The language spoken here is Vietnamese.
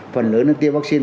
phần lớn tiêu vaccine